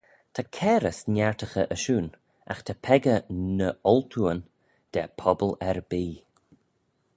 Ta cairys niartaghey ashoon: agh ta peccah ny oltooan da pobble erbee.